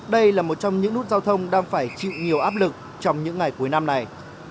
đây là một trong những nút giao thông đang phải chịu nhiều áp lực trong những ngày cuối năm này